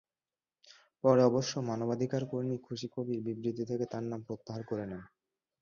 পরে অবশ্য মানবাধিকারকর্মী খুশী কবির বিবৃতি থেকে তাঁর নাম প্রত্যাহার করে নেন।